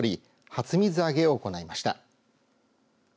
初水揚げを行いました。